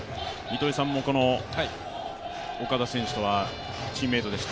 糸井さんもこの岡田選手とはチームメイトでした。